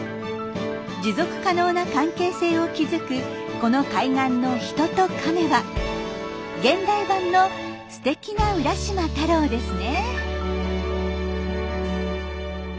持続可能な関係性を築くこの海岸の「人とカメ」は現代版のすてきな浦島太郎ですね。